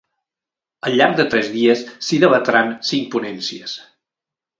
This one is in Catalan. Al llarg de tres dies s’hi debatran cinc ponències.